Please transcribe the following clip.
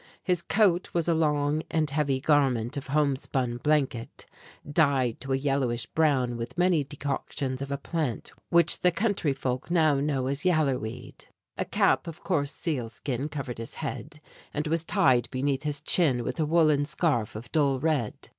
His coat was a long and heavy garment of homespun blanket, dyed to a yellowish brown with many decoctions of a plant which the country folk now know as "yaller weed." A cap of coarse sealskin covered his head, and was tied beneath his chin with a woollen scarf of dull red.